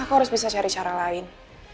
aku harus bisa cari cara lain